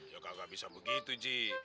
ya kagak bisa begitu ji